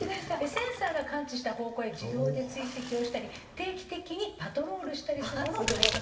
センサーが感知した方向へ自動で追跡をしたり定期的にパトロールしたりするものを開発。